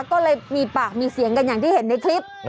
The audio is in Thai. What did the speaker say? ก็เลยมีปากมีเสียงกันอย่างที่เห็นในคลิป